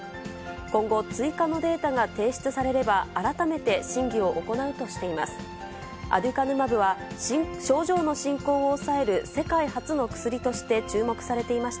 今後、追加のデータが提出されれば、改めて審議を行うとしています。